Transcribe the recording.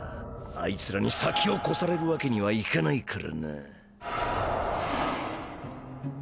あいつらに先をこされるわけにはいかないからな。